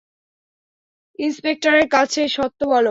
ইন্সপেক্টরের কাছে সত্য বল।